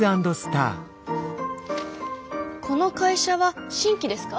この会社は新規ですか？